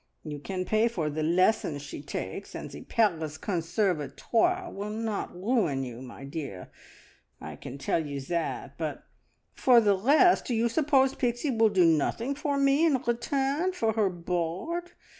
You can pay for the lessons she takes, and the Paris Conservatoire will not ruin you, my dear, I can tell you that; but for the rest, do you suppose Pixie will do nothing for me in return for her board?